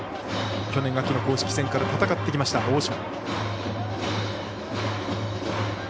去年秋の公式戦から戦ってきました、大島。